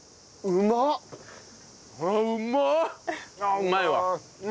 うまいわ！